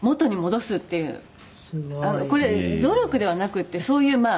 「すごい」「これ努力ではなくてそういうまあ」